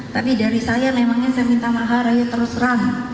tapi dari saya memangnya saya minta maharaya terus terang